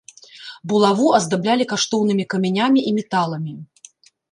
Булаву аздаблялі каштоўнымі камянямі і металамі.